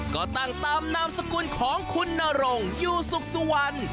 ก็ตั้งตามนามสกุลของคุณนรงยูสุขสุวรรณ